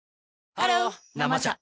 ハロー「生茶」